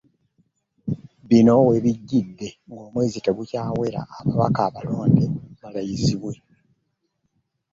Bino we bijjidde ng'omwezi tegukyawera ababaka abalonde balayizibwe